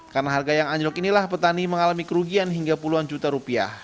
karena harga yang anjlok inilah petani mengalami kerugian hingga puluhan juta rupiah